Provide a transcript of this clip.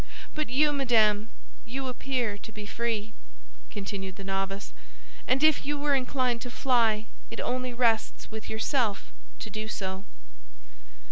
But you, madame, you appear to be free," continued the novice; "and if you were inclined to fly it only rests with yourself to do so."